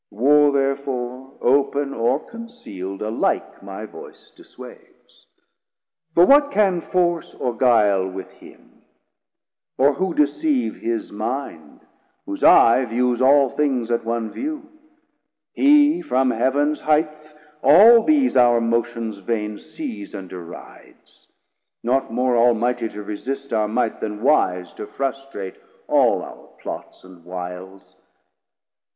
Warr therefore, open or conceal'd, alike My voice disswades; for what can force or guile With him, or who deceive his mind, whose eye Views all things at one view? he from heav'ns highth 190 All these our motions vain, sees and derides; Not more Almighty to resist our might Then wise to frustrate all our plots and wiles.